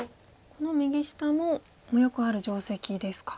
この右下もよくある定石ですか。